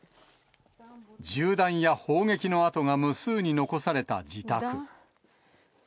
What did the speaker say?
銃弾や砲撃の跡が無数に残された自宅。